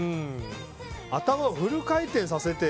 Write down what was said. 頭をフル回転させて。